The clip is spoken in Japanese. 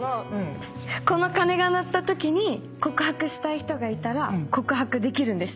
この鐘が鳴ったときに告白したい人がいたら告白できるんです。